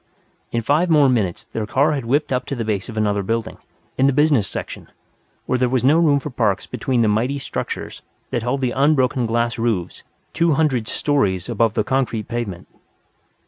In five more minutes their car had whipped up to the base of another building, in the business section, where there was no room for parks between the mighty structures that held the unbroken glass roofs two hundred stories above the concrete pavement.